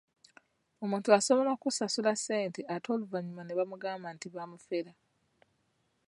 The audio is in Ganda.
Omuntu asobola okusasula ssente ate oluvannyuma ne bamugamba nti baamufera.